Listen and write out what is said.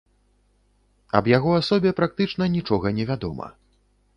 Аб яго асобе практычна нічога не вядома.